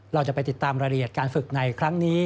เราจะไปติดตามรายละเอียดการฝึกในครั้งนี้